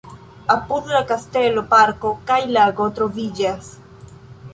Apud la kastelo parko kaj lago troviĝas.